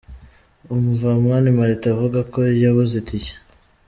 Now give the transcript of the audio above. Umva Mani Martin avuga ko yabuze Itike :.